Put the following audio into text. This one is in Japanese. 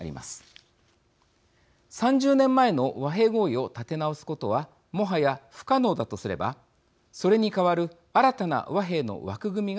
３０年前の和平合意を立て直すことはもはや不可能だとすればそれに代わる新たな和平の枠組みが不可欠です。